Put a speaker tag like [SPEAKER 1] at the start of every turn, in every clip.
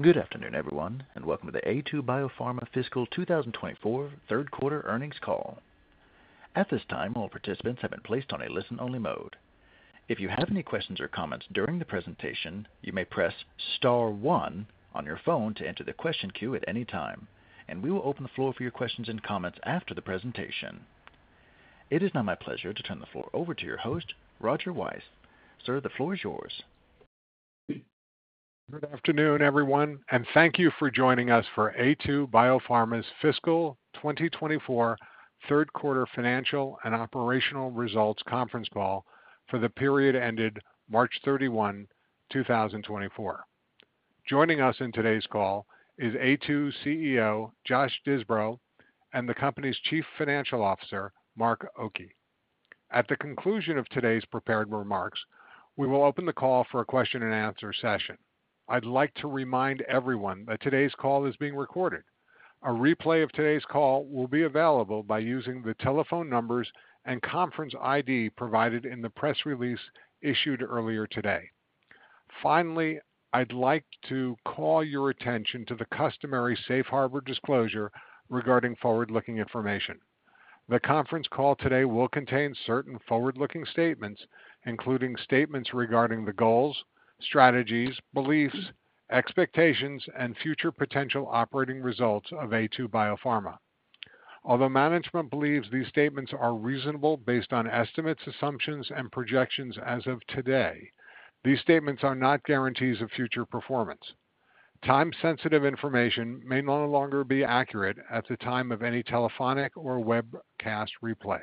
[SPEAKER 1] Good afternoon, everyone, and welcome to the Aytu BioPharma Fiscal 2024 Third Quarter Earnings Call. At this time, all participants have been placed on a listen-only mode. If you have any questions or comments during the presentation, you may press star one on your phone to enter the question queue at any time, and we will open the floor for your questions and comments after the presentation. It is now my pleasure to turn the floor over to your host, Roger Weiss. Sir, the floor is yours.
[SPEAKER 2] Good afternoon, everyone, and thank you for joining us for Aytu BioPharma's Fiscal 2024 Third Quarter Financial and Operational Results Conference Call for the period ended March 31, 2024. Joining us in today's call is Aytu CEO Josh Disbrow and the company's Chief Financial Officer, Mark Oki. At the conclusion of today's prepared remarks, we will open the call for a question-and-answer session. I'd like to remind everyone that today's call is being recorded. A replay of today's call will be available by using the telephone numbers and conference ID provided in the press release issued earlier today. Finally, I'd like to call your attention to the customary safe harbor disclosure regarding forward-looking information. The conference call today will contain certain forward-looking statements, including statements regarding the goals, strategies, beliefs, expectations, and future potential operating results of Aytu BioPharma. Although management believes these statements are reasonable based on estimates, assumptions, and projections as of today, these statements are not guarantees of future performance. Time-sensitive information may no longer be accurate at the time of any telephonic or webcast replay.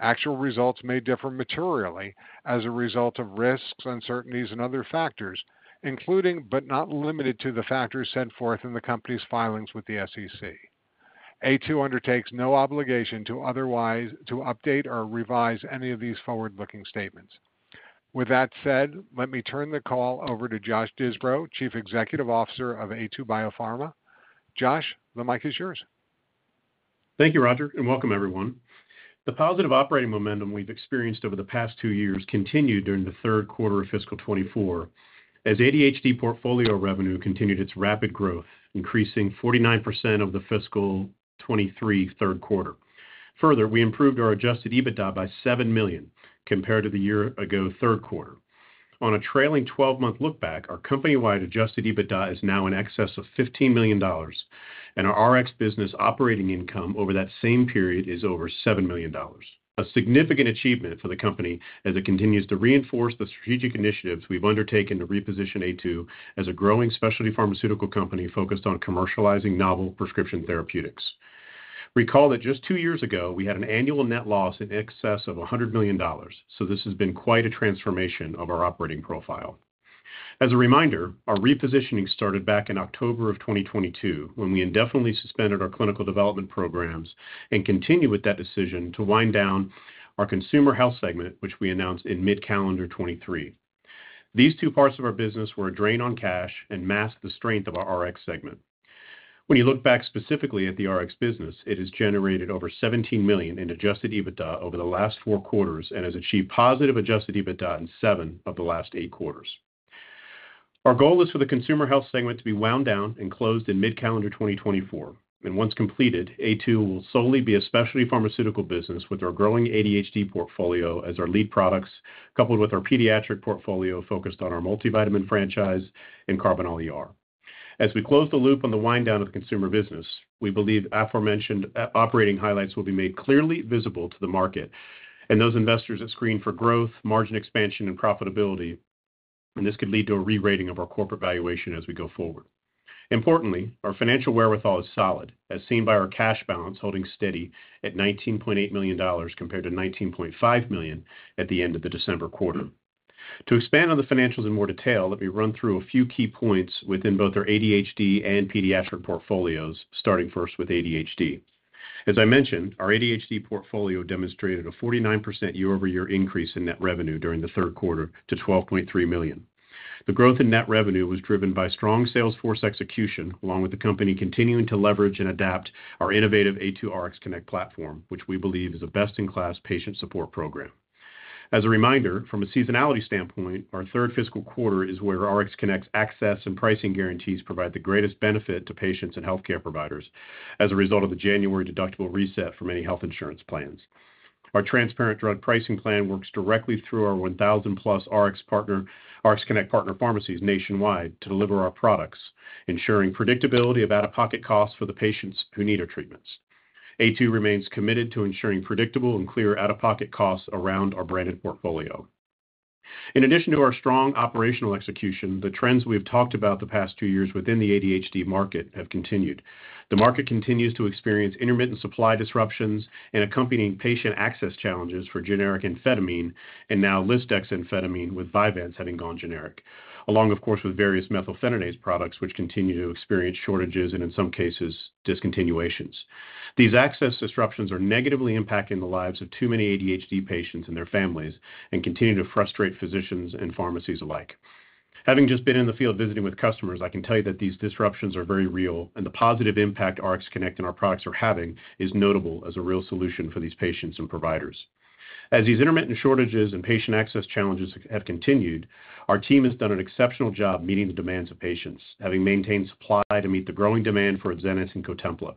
[SPEAKER 2] Actual results may differ materially as a result of risks, uncertainties, and other factors, including but not limited to the factors set forth in the company's filings with the SEC. Aytu undertakes no obligation to update or revise any of these forward-looking statements. With that said, let me turn the call over to Josh Disbrow, Chief Executive Officer of Aytu BioPharma. Josh, the mic is yours.
[SPEAKER 3] Thank you, Roger, and welcome, everyone. The positive operating momentum we've experienced over the past two years continued during the third quarter of Fiscal 2024, as ADHD portfolio revenue continued its rapid growth, increasing 49% of the Fiscal 2023 third quarter. Further, we improved our Adjusted EBITDA by $7 million compared to the year-ago third quarter. On a trailing 12-month lookback, our company-wide Adjusted EBITDA is now in excess of $15 million, and our RX business operating income over that same period is over $7 million. A significant achievement for the company as it continues to reinforce the strategic initiatives we've undertaken to reposition Aytu as a growing specialty pharmaceutical company focused on commercializing novel prescription therapeutics. Recall that just two years ago, we had an annual net loss in excess of $100 million, so this has been quite a transformation of our operating profile. As a reminder, our repositioning started back in October of 2022 when we indefinitely suspended our clinical development programs and continue with that decision to wind down our Consumer Health segment, which we announced in mid-calendar 2023. These two parts of our business were a drain on cash and masked the strength of our RX segment. When you look back specifically at the RX business, it has generated over $17 million in Adjusted EBITDA over the last four quarters and has achieved positive Adjusted EBITDA in seven of the last eight quarters. Our goal is for the Consumer Health segment to be wound down and closed in mid-calendar 2024, and once completed, Aytu will solely be a specialty pharmaceutical business with our growing ADHD portfolio as our lead products, coupled with our Pediatric portfolio focused on our multivitamin franchise and Karbinal ER. As we close the loop on the wind down of the consumer business, we believe aforementioned operating highlights will be made clearly visible to the market and those investors who screen for growth, margin expansion, and profitability, and this could lead to a rerating of our corporate valuation as we go forward. Importantly, our financial wherewithal is solid, as seen by our cash balance holding steady at $19.8 million compared to $19.5 million at the end of the December quarter. To expand on the financials in more detail, let me run through a few key points within both our ADHD and pediatric portfolios, starting first with ADHD. As I mentioned, our ADHD portfolio demonstrated a 49% year-over-year increase in net revenue during the third quarter to $12.3 million. The growth in net revenue was driven by strong salesforce execution, along with the company continuing to leverage and adapt our innovative Aytu RxConnect platform, which we believe is a best-in-class patient support program. As a reminder, from a seasonality standpoint, our third fiscal quarter is where RxConnect's access and pricing guarantees provide the greatest benefit to patients and healthcare providers as a result of the January deductible reset for many health insurance plans. Our transparent drug pricing plan works directly through our 1,000+ RxConnect partner pharmacies nationwide to deliver our products, ensuring predictability of out-of-pocket costs for the patients who need our treatments. Aytu remains committed to ensuring predictable and clear out-of-pocket costs around our branded portfolio. In addition to our strong operational execution, the trends we've talked about the past two years within the ADHD market have continued. The market continues to experience intermittent supply disruptions and accompanying patient access challenges for generic amphetamine and now lisdexamfetamine, with Vyvanse having gone generic, along, of course, with various methylphenidate products, which continue to experience shortages and, in some cases, discontinuations. These access disruptions are negatively impacting the lives of too many ADHD patients and their families and continue to frustrate physicians and pharmacies alike. Having just been in the field visiting with customers, I can tell you that these disruptions are very real, and the positive impact RxConnect and our products are having is notable as a real solution for these patients and providers. As these intermittent shortages and patient access challenges have continued, our team has done an exceptional job meeting the demands of patients, having maintained supply to meet the growing demand for Adzenys and Cotempla.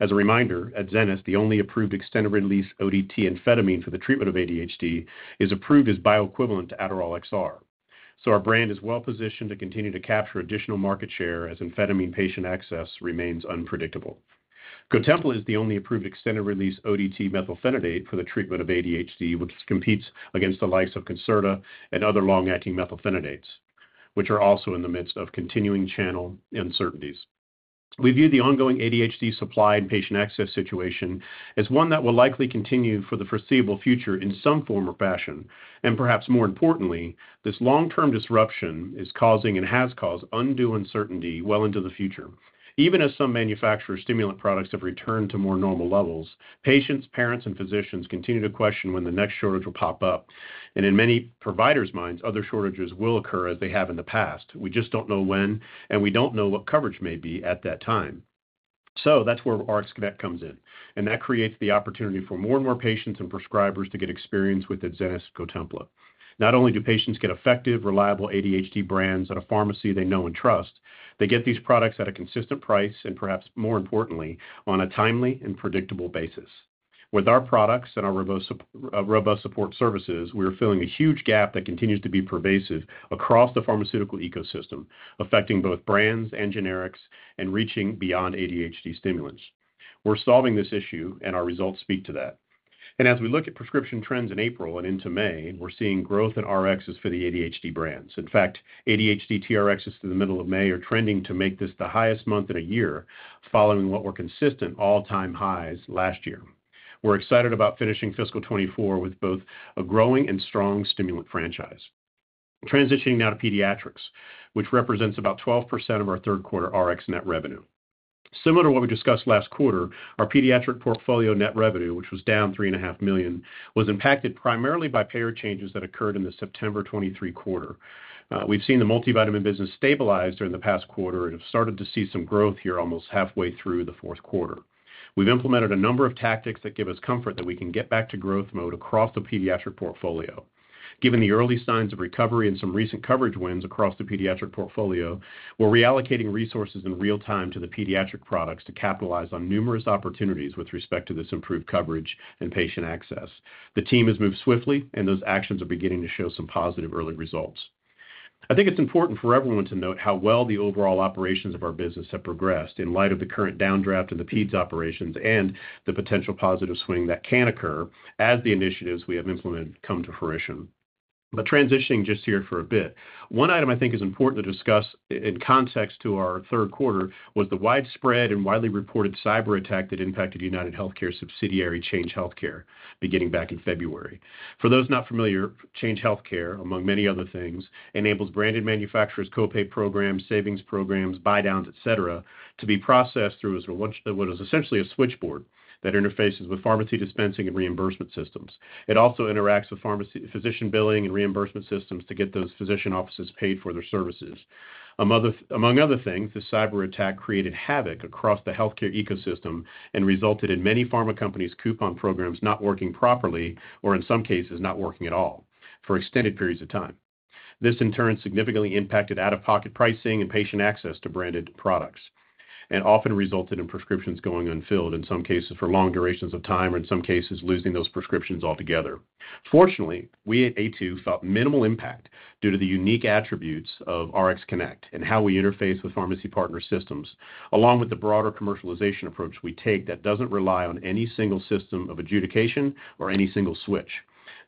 [SPEAKER 3] As a reminder, Adzenys, the only approved extended-release ODT amphetamine for the treatment of ADHD, is approved as bioequivalent to Adderall XR, so our brand is well-positioned to continue to capture additional market share as amphetamine patient access remains unpredictable. Cotempla is the only approved extended-release ODT methylphenidate for the treatment of ADHD, which competes against the likes of Concerta and other long-acting methylphenidates, which are also in the midst of continuing channel uncertainties. We view the ongoing ADHD supply and patient access situation as one that will likely continue for the foreseeable future in some form or fashion, and perhaps more importantly, this long-term disruption is causing and has caused undue uncertainty well into the future. Even as some manufacturers' stimulant products have returned to more normal levels, patients, parents, and physicians continue to question when the next shortage will pop up, and in many providers' minds, other shortages will occur as they have in the past. We just don't know when, and we don't know what coverage may be at that time. So that's where RxConnect comes in, and that creates the opportunity for more and more patients and prescribers to get experience with Adzenys/Cotempla. Not only do patients get effective, reliable ADHD brands at a pharmacy they know and trust, they get these products at a consistent price and, perhaps more importantly, on a timely and predictable basis. With our products and our robust support services, we are filling a huge gap that continues to be pervasive across the pharmaceutical ecosystem, affecting both brands and generics and reaching beyond ADHD stimulants. We're solving this issue, and our results speak to that. As we look at prescription trends in April and into May, we're seeing growth in RXs for the ADHD brands. In fact, ADHD TRXs through the middle of May are trending to make this the highest month in a year following what were consistent all-time highs last year. We're excited about finishing Fiscal 2024 with both a growing and strong stimulant franchise. Transitioning now to pediatrics, which represents about 12% of our third quarter RX net revenue. Similar to what we discussed last quarter, our pediatric portfolio net revenue, which was down $3.5 million, was impacted primarily by payer changes that occurred in the September 2023 quarter. We've seen the multivitamin business stabilize during the past quarter and have started to see some growth here almost halfway through the fourth quarter. We've implemented a number of tactics that give us comfort that we can get back to growth mode across the pediatric portfolio. Given the early signs of recovery and some recent coverage wins across the pediatric portfolio, we're reallocating resources in real time to the pediatric products to capitalize on numerous opportunities with respect to this improved coverage and patient access. The team has moved swiftly, and those actions are beginning to show some positive early results. I think it's important for everyone to note how well the overall operations of our business have progressed in light of the current downdraft in the peds operations and the potential positive swing that can occur as the initiatives we have implemented come to fruition. But transitioning just here for a bit, one item I think is important to discuss in context to our third quarter was the widespread and widely reported cyber attack that impacted UnitedHealthcare's subsidiary Change Healthcare, beginning back in February. For those not familiar, Change Healthcare, among many other things, enables branded manufacturers' copay programs, savings programs, buy-downs, etc., to be processed through what is essentially a switchboard that interfaces with pharmacy dispensing and reimbursement systems. It also interacts with physician billing and reimbursement systems to get those physician offices paid for their services. Among other things, this cyber attack created havoc across the healthcare ecosystem and resulted in many pharma companies' coupon programs not working properly or, in some cases, not working at all for extended periods of time. This, in turn, significantly impacted out-of-pocket pricing and patient access to branded products and often resulted in prescriptions going unfilled, in some cases for long durations of time, or in some cases, losing those prescriptions altogether. Fortunately, we at Aytu felt minimal impact due to the unique attributes of RxConnect and how we interface with pharmacy partner systems, along with the broader commercialization approach we take that doesn't rely on any single system of adjudication or any single switch.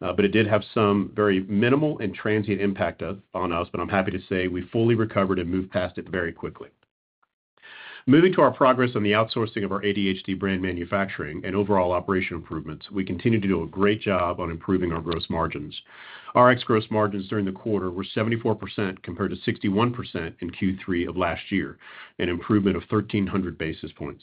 [SPEAKER 3] But it did have some very minimal and transient impact on us, but I'm happy to say we fully recovered and moved past it very quickly. Moving to our progress on the outsourcing of our ADHD brand manufacturing and overall operation improvements, we continue to do a great job on improving our gross margins. RX gross margins during the quarter were 74% compared to 61% in Q3 of last year, an improvement of 1,300 basis points.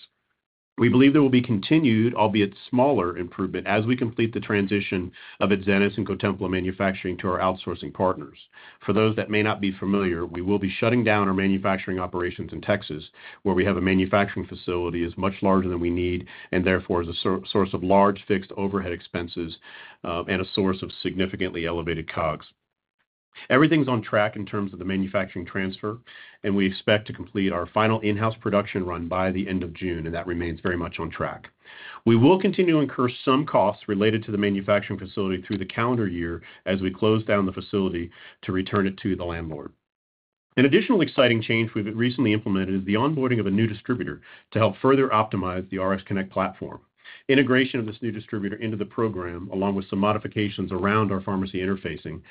[SPEAKER 3] We believe there will be continued, albeit smaller, improvement as we complete the transition of Adzenys and Cotempla manufacturing to our outsourcing partners. For those that may not be familiar, we will be shutting down our manufacturing operations in Texas, where we have a manufacturing facility as much larger than we need and, therefore, as a source of large fixed overhead expenses and a source of significantly elevated COGS. Everything's on track in terms of the manufacturing transfer, and we expect to complete our final in-house production run by the end of June, and that remains very much on track. We will continue to incur some costs related to the manufacturing facility through the calendar year as we close down the facility to return it to the landlord. An additional exciting change we've recently implemented is the onboarding of a new distributor to help further optimize the RxConnect platform. Integration of this new distributor into the program, along with some modifications around our pharmacy interfacing,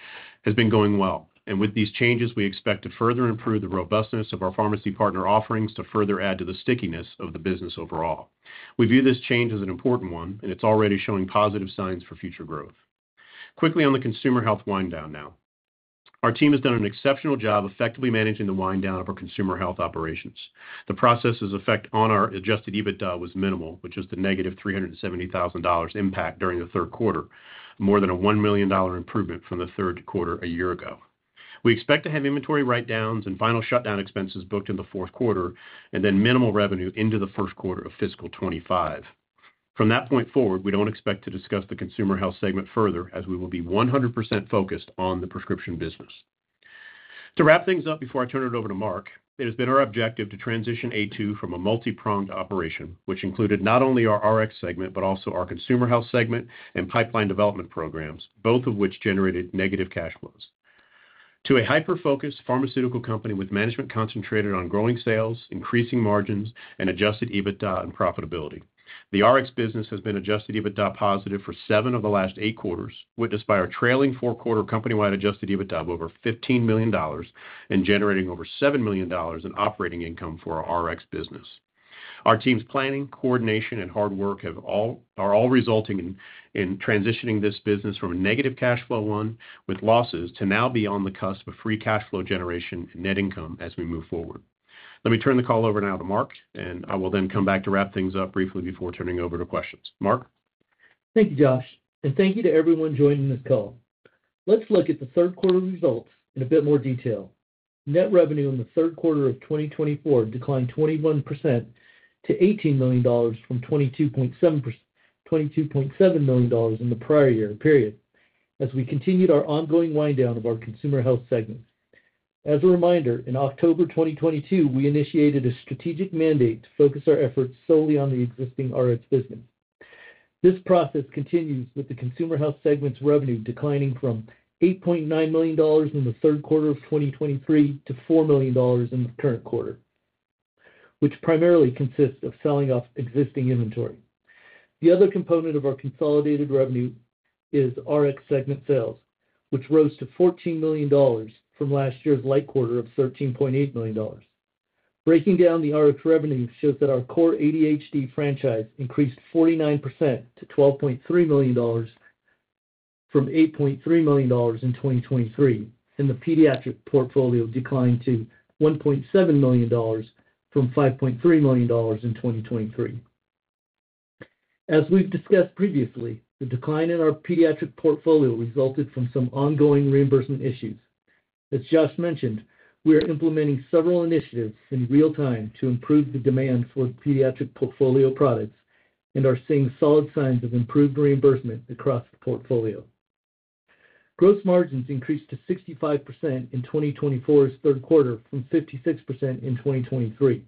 [SPEAKER 3] has been going well, and with these changes, we expect to further improve the robustness of our pharmacy partner offerings to further add to the stickiness of the business overall. We view this change as an important one, and it's already showing positive signs for future growth. Quickly on the Consumer Health wind-down now, our team has done an exceptional job effectively managing the wind-down of our Consumer Health operations. The processes' effect on our Adjusted EBITDA was minimal, which was the negative $370,000 impact during the third quarter, more than a $1 million improvement from the third quarter a year ago. We expect to have inventory write-downs and final shutdown expenses booked in the fourth quarter and then minimal revenue into the first quarter of Fiscal 2025. From that point forward, we don't expect to discuss the Consumer Health segment further as we will be 100% focused on the prescription business. To wrap things up before I turn it over to Mark, it has been our objective to transition Aytu from a multi-pronged operation, which included not only our RX segment but also our Consumer Health segment and pipeline development programs, both of which generated negative cash flows, to a hyper-focused pharmaceutical company with management concentrated on growing sales, increasing margins, and Adjusted EBITDA and profitability. The RX business has been adjusted EBITDA positive for seven of the last eight quarters, witnessed by our trailing four-quarter company-wide adjusted EBITDA of over $15 million and generating over $7 million in operating income for our RX business. Our team's planning, coordination, and hard work are all resulting in transitioning this business from a negative cash flow one with losses to now be on the cusp of free cash flow generation and net income as we move forward. Let me turn the call over now to Mark, and I will then come back to wrap things up briefly before turning over to questions. Mark?
[SPEAKER 4] Thank you, Josh, and thank you to everyone joining this call. Let's look at the third quarter results in a bit more detail. Net revenue in the third quarter of 2024 declined 21% to $18 million from $22.7 million in the prior year period as we continued our ongoing wind-down of our Consumer Health segment. As a reminder, in October 2022, we initiated a strategic mandate to focus our efforts solely on the existing Rx business. This process continues with the Consumer Health segment's revenue declining from $8.9 million in the third quarter of 2023 to $4 million in the current quarter, which primarily consists of selling off existing inventory. The other component of our consolidated revenue is Rx segment sales, which rose to $14 million from last year's third quarter of $13.8 million. Breaking down the RX revenue shows that our core ADHD franchise increased 49% to $12.3 million from $8.3 million in 2023, and the pediatric portfolio declined to $1.7 million from $5.3 million in 2023. As we've discussed previously, the decline in our pediatric portfolio resulted from some ongoing reimbursement issues. As Josh mentioned, we are implementing several initiatives in real time to improve the demand for pediatric portfolio products and are seeing solid signs of improved reimbursement across the portfolio. Gross margins increased to 65% in 2024's third quarter from 56% in 2023,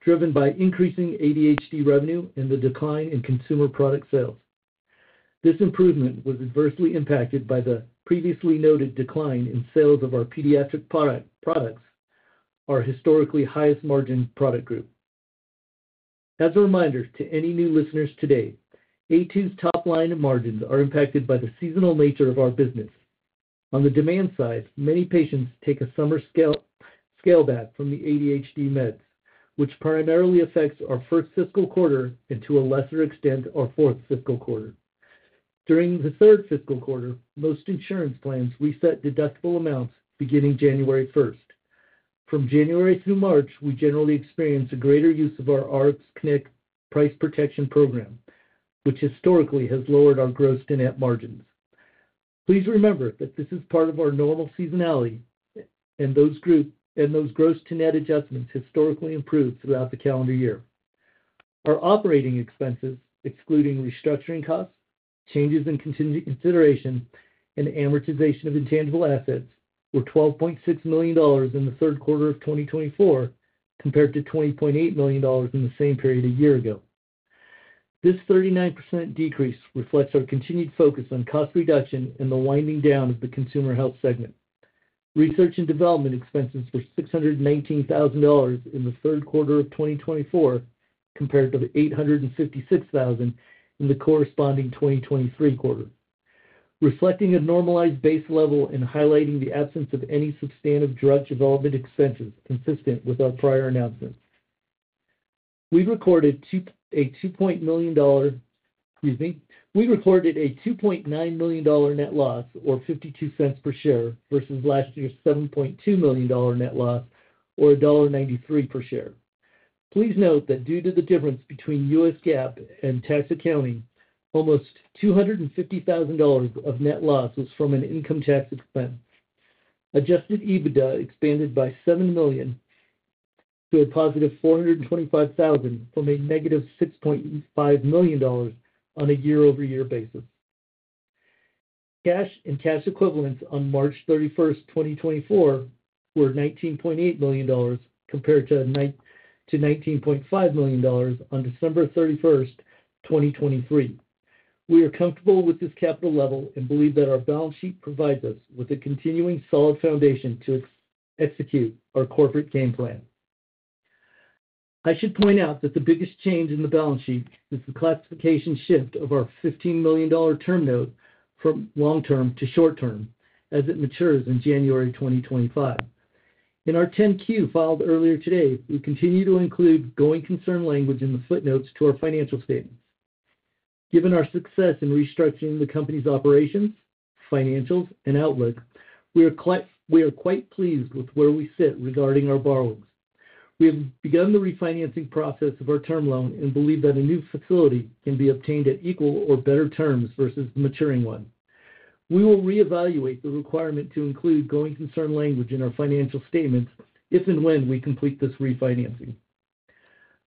[SPEAKER 4] driven by increasing ADHD revenue and the decline in consumer product sales. This improvement was adversely impacted by the previously noted decline in sales of our pediatric products, our historically highest-margin product group. As a reminder to any new listeners today, Aytu's top-line margins are impacted by the seasonal nature of our business. On the demand side, many patients take a summer scale back from the ADHD meds, which primarily affects our first fiscal quarter and, to a lesser extent, our fourth fiscal quarter. During the third fiscal quarter, most insurance plans reset deductible amounts beginning January 1st. From January through March, we generally experience a greater use of our RxConnect price protection program, which historically has lowered our gross-to-net margins. Please remember that this is part of our normal seasonality, and those gross-to-net adjustments historically improved throughout the calendar year. Our operating expenses, excluding restructuring costs, changes in consideration, and amortization of intangible assets, were $12.6 million in the third quarter of 2024 compared to $20.8 million in the same period a year ago. This 39% decrease reflects our continued focus on cost reduction and the winding down of the Consumer Health segment. Research and development expenses were $619,000 in the third quarter of 2024 compared to the $856,000 in the corresponding 2023 quarter, reflecting a normalized base level and highlighting the absence of any substantive drug development expenses consistent with our prior announcements. We recorded a $2.9 million net loss, or $0.52 per share, vs last year's $7.2 million net loss, or $1.93 per share. Please note that due to the difference between U.S. GAAP and tax accounting, almost $250,000 of net loss was from an income tax expense. Adjusted EBITDA expanded by $7 million to a positive $425,000 from a negative $6.5 million on a year-over-year basis. Cash and cash equivalents on March 31st, 2024, were $19.8 million compared to $19.5 million on December 31st, 2023. We are comfortable with this capital level and believe that our balance sheet provides us with a continuing solid foundation to execute our corporate game plan. I should point out that the biggest change in the balance sheet is the classification shift of our $15 million term note from long-term to short-term as it matures in January 2025. In our 10-Q filed earlier today, we continue to include going concern language in the footnotes to our financial statements. Given our success in restructuring the company's operations, financials, and outlook, we are quite pleased with where we sit regarding our borrowings. We have begun the refinancing process of our term loan and believe that a new facility can be obtained at equal or better terms vs the maturing one. We will reevaluate the requirement to include going concern language in our financial statements if and when we complete this refinancing.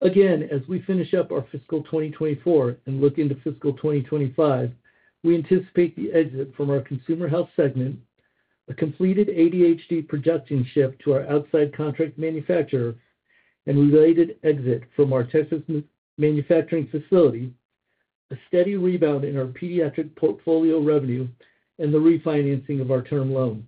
[SPEAKER 4] Again, as we finish up our fiscal 2024 and look into fiscal 2025, we anticipate the exit from our Consumer Health segment, a completed ADHD production shift to our outside contract manufacturer and related exit from our Texas manufacturing facility, a steady rebound in our pediatric portfolio revenue, and the refinancing of our term loan.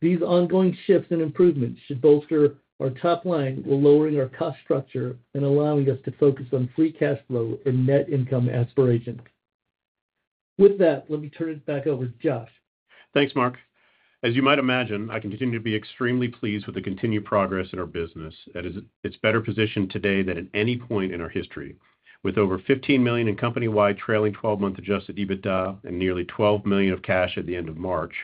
[SPEAKER 4] These ongoing shifts and improvements should bolster our top-line while lowering our cost structure and allowing us to focus on free cash flow and net income aspirations. With that, let me turn it back over to Josh.
[SPEAKER 3] Thanks, Mark. As you might imagine, I continue to be extremely pleased with the continued progress in our business. It's better positioned today than at any point in our history, with over $15 million in company-wide trailing 12-month adjusted EBITDA and nearly $12 million of cash at the end of March.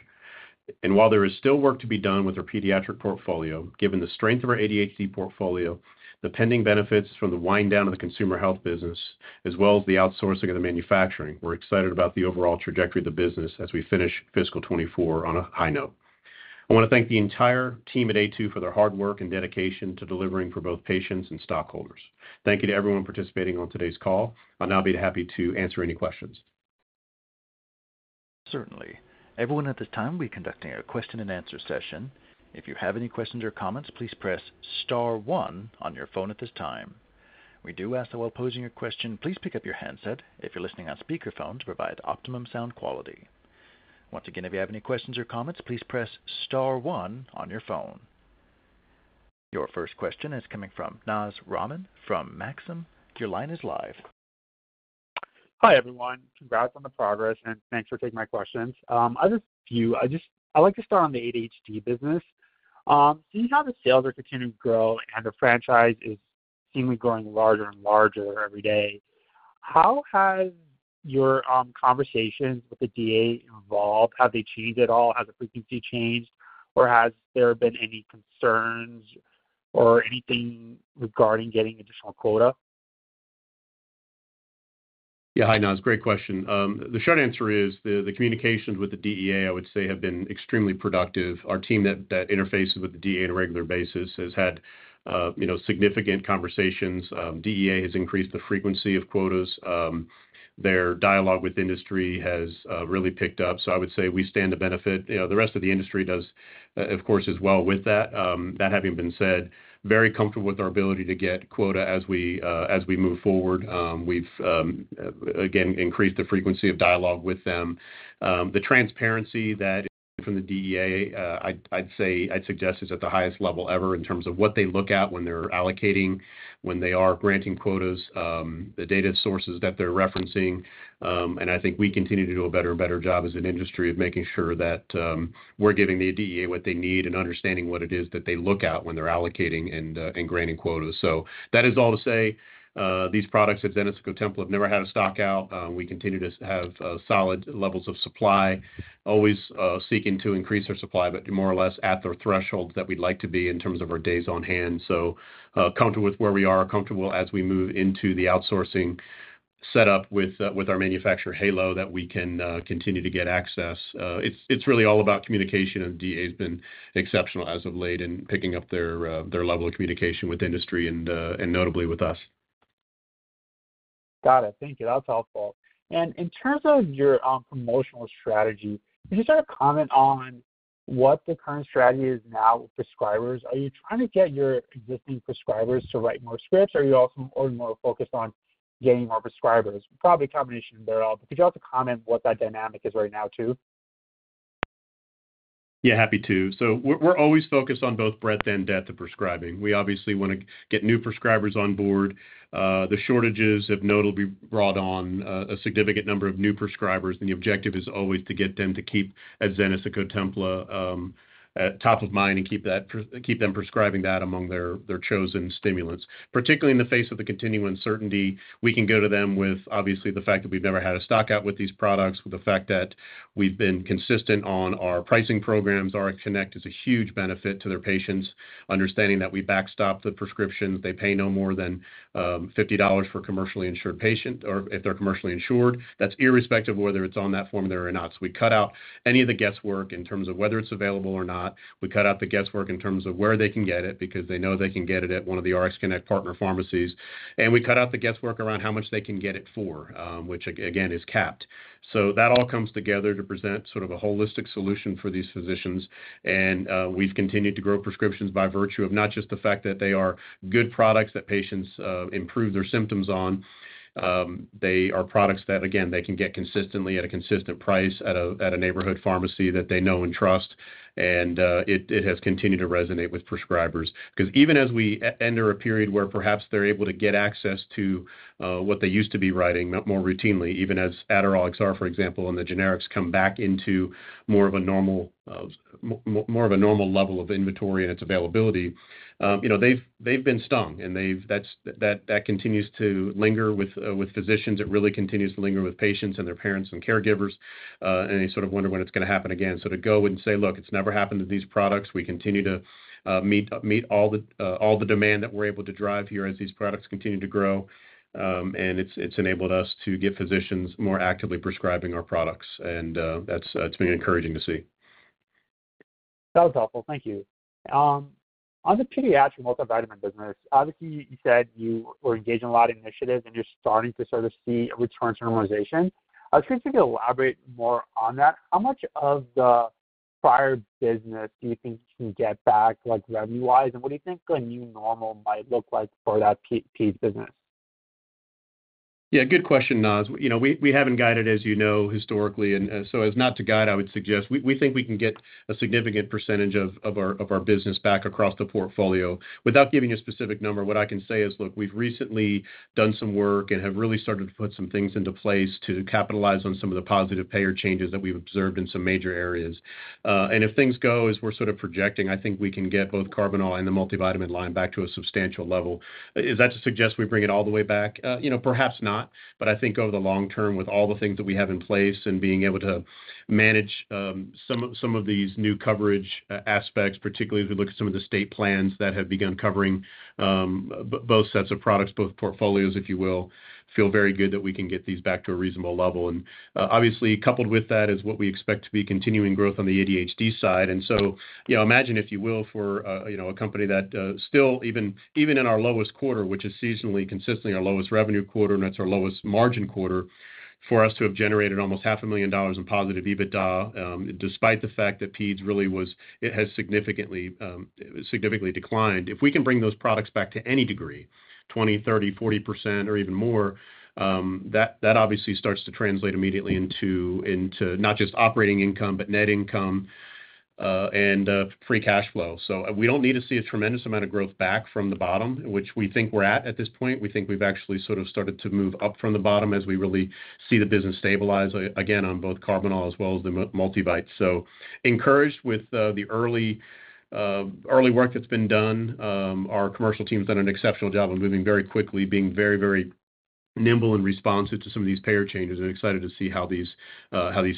[SPEAKER 3] While there is still work to be done with our pediatric portfolio, given the strength of our ADHD portfolio, the pending benefits from the wind-down of the Consumer Health business, as well as the outsourcing of the manufacturing, we're excited about the overall trajectory of the business as we finish fiscal 2024 on a high note. I want to thank the entire team at Aytu for their hard work and dedication to delivering for both patients and stockholders. Thank you to everyone participating on today's call. I'll now be happy to answer any questions.
[SPEAKER 1] Certainly. Everyone at this time, we're conducting a question-and-answer session. If you have any questions or comments, please press star one on your phone at this time. We do ask that while posing your question, please pick up your handset if you're listening on speakerphone to provide optimum sound quality. Once again, if you have any questions or comments, please press star one on your phone. Your first question is coming from Naz Rahman from Maxim. Your line is live.
[SPEAKER 5] Hi, everyone. Congrats on the progress, and thanks for taking my questions. I have a few. I like to start on the ADHD business. Seeing how the sales are continuing to grow and the franchise is seemingly growing larger and larger every day, how have your conversations with the DEA evolved? Have they changed at all? Has the frequency changed, or has there been any concerns or anything regarding getting additional quota?
[SPEAKER 3] Yeah, hi, Naz. Great question. The short answer is the communications with the DEA, I would say, have been extremely productive. Our team that interfaces with the DEA on a regular basis has had significant conversations. DEA has increased the frequency of quotas. Their dialogue with industry has really picked up. So I would say we stand to benefit. The rest of the industry does, of course, as well with that. That having been said, very comfortable with our ability to get quota as we move forward. We've, again, increased the frequency of dialogue with them. The transparency that is coming from the DEA, I'd suggest, is at the highest level ever in terms of what they look at when they're allocating, when they are granting quotas, the data sources that they're referencing. I think we continue to do a better and better job as an industry of making sure that we're giving the DEA what they need and understanding what it is that they look at when they're allocating and granting quotas. So that is all to say these products, Adzenys and Cotempla, have never had a stockout. We continue to have solid levels of supply, always seeking to increase our supply, but more or less at the thresholds that we'd like to be in terms of our days on hand. So comfortable with where we are, comfortable as we move into the outsourcing setup with our manufacturer Halo that we can continue to get access. It's really all about communication, and the DEA has been exceptional as of late in picking up their level of communication with industry and notably with us.
[SPEAKER 5] Got it. Thank you. That's helpful. In terms of your promotional strategy, could you sort of comment on what the current strategy is now with prescribers? Are you trying to get your existing prescribers to write more scripts, or are you also more focused on getting more prescribers? Probably a combination of they're all, but could you also comment what that dynamic is right now too?
[SPEAKER 3] Yeah, happy to. So we're always focused on both breadth and depth of prescribing. We obviously want to get new prescribers on board. The shortages have notably brought on a significant number of new prescribers, and the objective is always to get them to keep Adzenys and Cotempla top of mind and keep them prescribing that among their chosen stimulants. Particularly in the face of the continuing uncertainty, we can go to them with, obviously, the fact that we've never had a stockout with these products, with the fact that we've been consistent on our pricing programs. RxConnect is a huge benefit to their patients, understanding that we backstop the prescriptions. They pay no more than $50 for a commercially insured patient or if they're commercially insured. That's irrespective of whether it's on that formulary or not. So we cut out any of the guesswork in terms of whether it's available or not. We cut out the guesswork in terms of where they can get it because they know they can get it at one of the RxConnect partner pharmacies. And we cut out the guesswork around how much they can get it for, which, again, is capped. So that all comes together to present sort of a holistic solution for these physicians. And we've continued to grow prescriptions by virtue of not just the fact that they are good products that patients improve their symptoms on. They are products that, again, they can get consistently at a consistent price at a neighborhood pharmacy that they know and trust. And it has continued to resonate with prescribers because even as we enter a period where perhaps they're able to get access to what they used to be writing more routinely, even as Adderall XR, for example, and the generics come back into more of a normal level of inventory and its availability, they've been stung. And that continues to linger with physicians. It really continues to linger with patients and their parents and caregivers. And they sort of wonder when it's going to happen again. So to go and say, "Look, it's never happened to these products. We continue to meet all the demand that we're able to drive here as these products continue to grow." And it's enabled us to get physicians more actively prescribing our products. And that's been encouraging to see.
[SPEAKER 5] That was helpful. Thank you. On the pediatric multivitamin business, obviously, you said you were engaged in a lot of initiatives, and you're starting to sort of see a return to normalization. I was curious if you could elaborate more on that. How much of the prior business do you think you can get back revenue-wise? And what do you think a new normal might look like for that piece of business?
[SPEAKER 3] Yeah, good question, Naz. We haven't got it, as you know, historically. And so as not to guide, I would suggest we think we can get a significant % of our business back across the portfolio. Without giving you a specific number, what I can say is, "Look, we've recently done some work and have really started to put some things into place to capitalize on some of the positive payer changes that we've observed in some major areas." And if things go as we're sort of projecting, I think we can get both Karbinal and the multivitamin line back to a substantial level. Is that to suggest we bring it all the way back? Perhaps not. But I think over the long term, with all the things that we have in place and being able to manage some of these new coverage aspects, particularly as we look at some of the state plans that have begun covering both sets of products, both portfolios, if you will, feel very good that we can get these back to a reasonable level. And obviously, coupled with that is what we expect to be continuing growth on the ADHD side. And so imagine, if you will, for a company that still, even in our lowest quarter, which is seasonally consistently our lowest revenue quarter, and that's our lowest margin quarter, for us to have generated almost $500,000 in positive EBITDA despite the fact that PEDS really was it has significantly declined. If we can bring those products back to any degree, 20%, 30%, 40%, or even more, that obviously starts to translate immediately into not just operating income, but net income and free cash flow. So we don't need to see a tremendous amount of growth back from the bottom, which we think we're at at this point. We think we've actually sort of started to move up from the bottom as we really see the business stabilize, again, on both Karbinal as well as the multivites. So encouraged with the early work that's been done, our commercial team has done an exceptional job of moving very quickly, being very, very nimble and responsive to some of these payer changes, and excited to see how these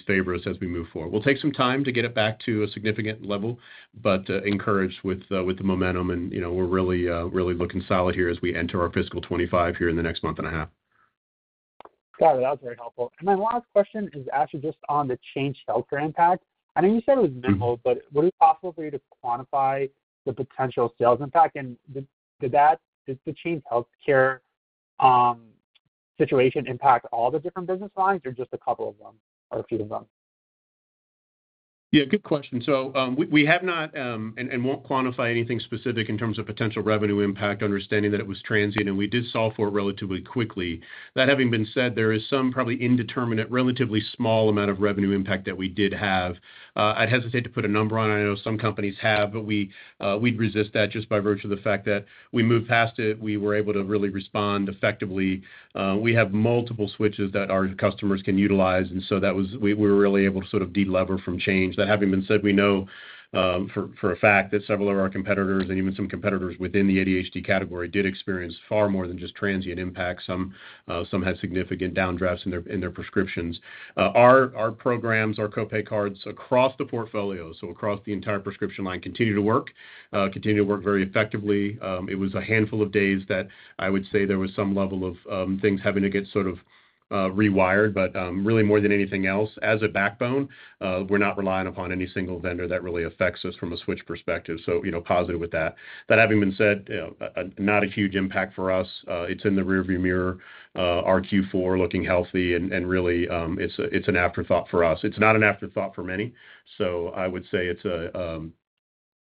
[SPEAKER 3] favor us as we move forward. We'll take some time to get it back to a significant level, but encouraged with the momentum. And we're really looking solid here as we enter our fiscal 2025 here in the next month and a half.
[SPEAKER 5] Got it. That was very helpful. And my last question is actually just on the Change Healthcare impact. I know you said it was nimble, but would it be possible for you to quantify the potential sales impact? And did the Change Healthcare situation impact all the different business lines or just a couple of them or a few of them?
[SPEAKER 3] Yeah, good question. So we have not and won't quantify anything specific in terms of potential revenue impact, understanding that it was transient, and we did solve for it relatively quickly. That having been said, there is some probably indeterminate, relatively small amount of revenue impact that we did have. I'd hesitate to put a number on it. I know some companies have, but we'd resist that just by virtue of the fact that we moved past it. We were able to really respond effectively. We have multiple switches that our customers can utilize. And so we were really able to sort of de-lever from Change. That having been said, we know for a fact that several of our competitors and even some competitors within the ADHD category did experience far more than just transient impacts. Some had significant downdrafts in their prescriptions. Our programs, our copay cards across the portfolio, so across the entire prescription line, continue to work, continue to work very effectively. It was a handful of days that I would say there was some level of things having to get sort of rewired. But really, more than anything else, as a backbone, we're not relying upon any single vendor that really affects us from a switch perspective. So positive with that. That having been said, not a huge impact for us. It's in the rearview mirror, Q4 looking healthy, and really, it's an afterthought for us. It's not an afterthought for many. So I would say it's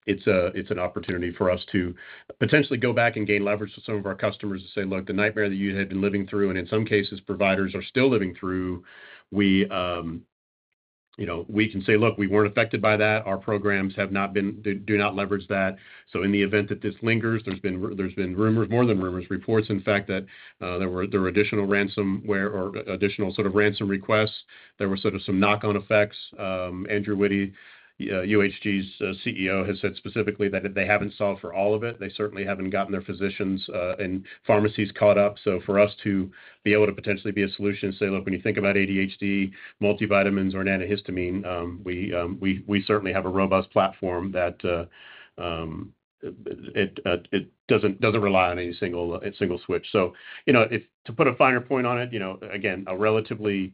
[SPEAKER 3] an opportunity for us to potentially go back and gain leverage with some of our customers to say, "Look, the nightmare that you had been living through, and in some cases, providers are still living through, we can say, 'Look, we weren't affected by that. Our programs do not leverage that.'" So in the event that this lingers, there's been rumors, more than rumors, reports, in fact, that there were additional ransomware or additional sort of ransom requests. There were sort of some knock-on effects. Andrew Witty, UHG's CEO, has said specifically that they haven't solved for all of it. They certainly haven't gotten their physicians and pharmacies caught up. So for us to be able to potentially be a solution and say, "Look, when you think about ADHD, multivitamins, or an antihistamine, we certainly have a robust platform that it doesn't rely on any single switch." So to put a finer point on it, again, a relatively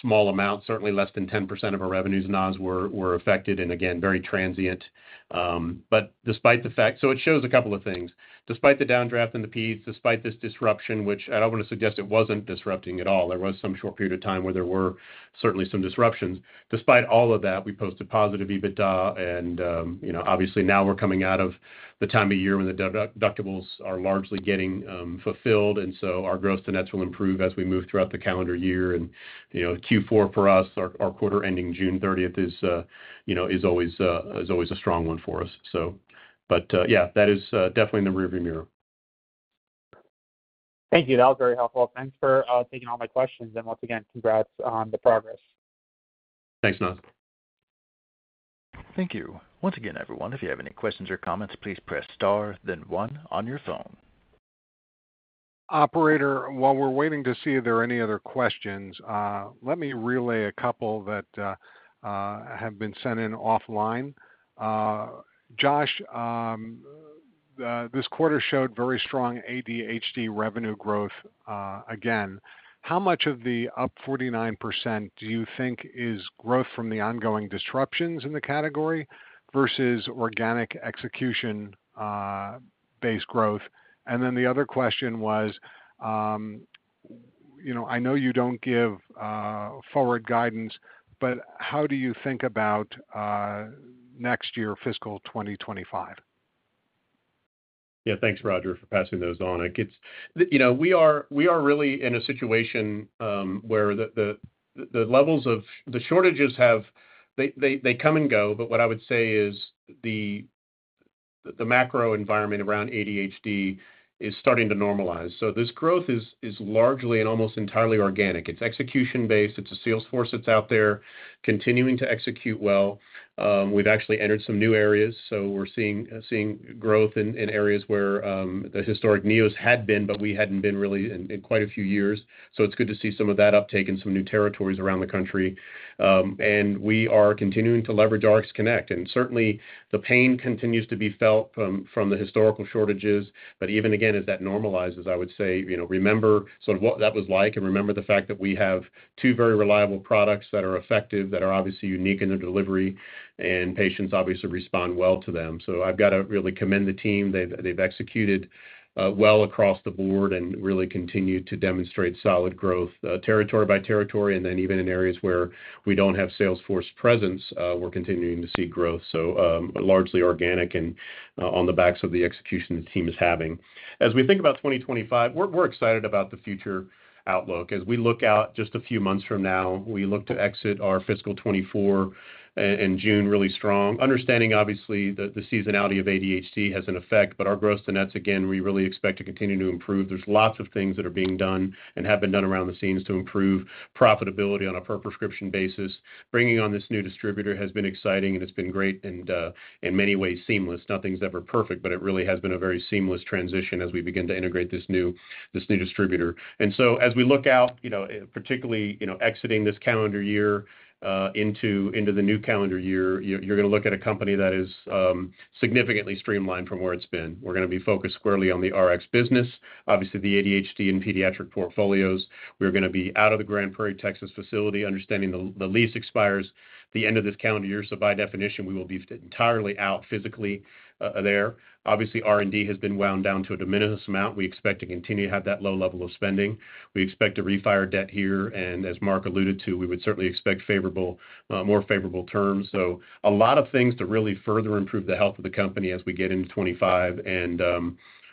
[SPEAKER 3] small amount, certainly less than 10% of our revenues, Naz, were affected and, again, very transient. But despite the fact so it shows a couple of things. Despite the downdraft in the peds, despite this disruption, which I don't want to suggest it wasn't disrupting at all. There was some short period of time where there were certainly some disruptions. Despite all of that, we posted positive EBITDA. And obviously, now we're coming out of the time of year when the deductibles are largely getting fulfilled. And so our gross-to-nets will improve as we move throughout the calendar year. Q4 for us, our quarter ending June 30th is always a strong one for us. Yeah, that is definitely in the rearview mirror.
[SPEAKER 5] Thank you. That was very helpful. Thanks for taking all my questions. Once again, congrats on the progress.
[SPEAKER 3] Thanks, Naz.
[SPEAKER 1] Thank you. Once again, everyone, if you have any questions or comments, please press star, then 1 on your phone.
[SPEAKER 2] Operator, while we're waiting to see if there are any other questions, let me relay a couple that have been sent in offline. Josh, this quarter showed very strong ADHD revenue growth again. How much of the up 49% do you think is growth from the ongoing disruptions in the category vs organic execution-based growth? And then the other question was, I know you don't give forward guidance, but how do you think about next year, fiscal 2025?
[SPEAKER 3] Yeah, thanks, Roger, for passing those on. We are really in a situation where the levels of the shortages have they come and go. But what I would say is the macro environment around ADHD is starting to normalize. So this growth is largely and almost entirely organic. It's execution-based. It's a salesforce that's out there continuing to execute well. We've actually entered some new areas. So we're seeing growth in areas where the historic Neos had been, but we hadn't been really in quite a few years. So it's good to see some of that uptake in some new territories around the country. And we are continuing to leverage RxConnect. And certainly, the pain continues to be felt from the historical shortages. But even again, as that normalizes, I would say remember sort of what that was like and remember the fact that we have two very reliable products that are effective, that are obviously unique in their delivery, and patients obviously respond well to them. So I've got to really commend the team. They've executed well across the board and really continued to demonstrate solid growth territory by territory. And then even in areas where we don't have sales force presence, we're continuing to see growth, so largely organic and on the backs of the execution the team is having. As we think about 2025, we're excited about the future outlook. As we look out just a few months from now, we look to exit our fiscal 2024 and June really strong, understanding, obviously, that the seasonality of ADHD has an effect. But our gross-to-nets, again, we really expect to continue to improve. There's lots of things that are being done and have been done behind the scenes to improve profitability on a per-prescription basis. Bringing on this new distributor has been exciting, and it's been great and in many ways seamless. Nothing's ever perfect, but it really has been a very seamless transition as we begin to integrate this new distributor. And so as we look out, particularly exiting this calendar year into the new calendar year, you're going to look at a company that is significantly streamlined from where it's been. We're going to be focused squarely on the RX business, obviously, the ADHD and pediatric portfolios. We're going to be out of the Grand Prairie, Texas, facility, understanding the lease expires the end of this calendar year. So by definition, we will be entirely out physically there. Obviously, R&D has been wound down to a diminished amount. We expect to continue to have that low level of spending. We expect to refinance debt here. And as Mark alluded to, we would certainly expect more favorable terms. So a lot of things to really further improve the health of the company as we get into 2025. And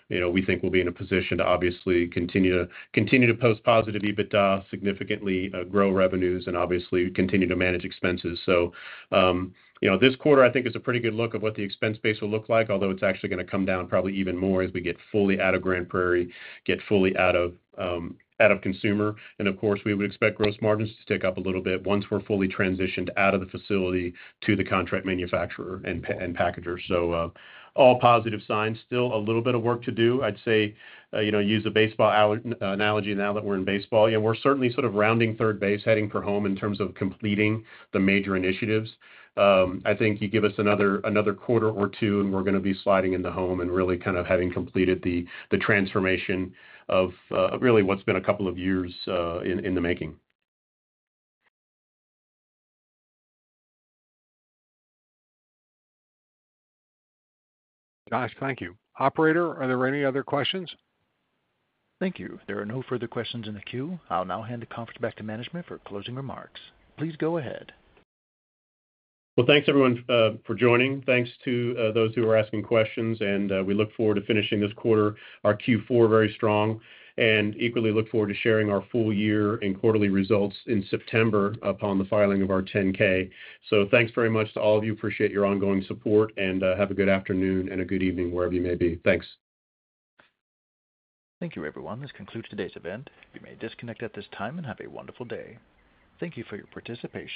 [SPEAKER 3] we think we'll be in a position to obviously continue to post positive EBITDA, significantly grow revenues, and obviously continue to manage expenses. So this quarter, I think, is a pretty good look of what the expense base will look like, although it's actually going to come down probably even more as we get fully out of Grand Prairie, get fully out of consumer. Of course, we would expect gross margins to tick up a little bit once we're fully transitioned out of the facility to the contract manufacturer and packager. So all positive signs. Still a little bit of work to do. I'd say use the baseball analogy now that we're in baseball. We're certainly sort of rounding third base, heading for home in terms of completing the major initiatives. I think you give us another quarter or two, and we're going to be sliding into home and really kind of having completed the transformation of really what's been a couple of years in the making.
[SPEAKER 4] Josh, thank you. Operator, are there any other questions?
[SPEAKER 1] Thank you. There are no further questions in the queue. I'll now hand the conference back to management for closing remarks. Please go ahead.
[SPEAKER 3] Well, thanks, everyone, for joining. Thanks to those who were asking questions. And we look forward to finishing this quarter, our Q4, very strong. And equally, look forward to sharing our full year and quarterly results in September upon the filing of our 10-K. So thanks very much to all of you. Appreciate your ongoing support. And have a good afternoon and a good evening wherever you may be. Thanks.
[SPEAKER 1] Thank you, everyone. This concludes today's event. You may disconnect at this time and have a wonderful day. Thank you for your participation.